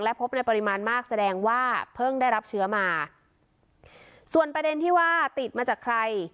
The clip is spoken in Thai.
พบในปริมาณมากแสดงว่าเพิ่งได้รับเชื้อมาส่วนประเด็นที่ว่าติดมาจากใคร